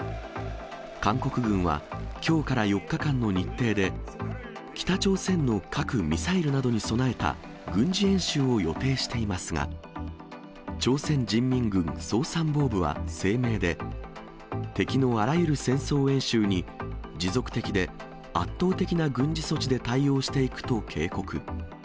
韓国軍は、きょうから４日間の日程で、北朝鮮の核・ミサイルなどに備えた軍事演習を予定していますが、朝鮮人民軍総参謀部は声明で、敵のあらゆる戦争演習に持続的で圧倒的な軍事措置で対応していくと警告。